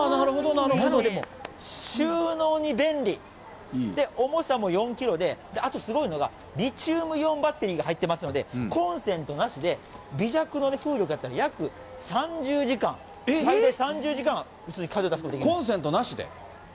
なので、収納に便利、重さも４キロで、あとすごいのが、リチウムイオンバッテリーが入ってますので、コンセントなしで、微弱の風量だったら約３０時間、最大３０時間普通に風出すことができるんですよ。